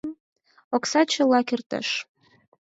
Окса чыла кертеш!..